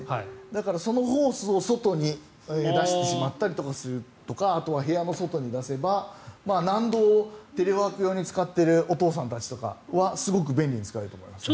なので、そのホースを外に出してしまったりとかあとは部屋の外に出せば納戸をテレワーク用に使っているお父さんたちとかはすごく便利に使えると思います。